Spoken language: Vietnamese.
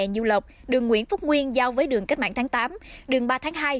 du lộc đường nguyễn phúc nguyên giao với đường cách mạng tháng tám đường ba tháng hai